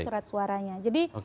surat suaranya jadi